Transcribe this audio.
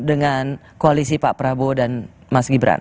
dengan koalisi pak prabowo dan mas gibran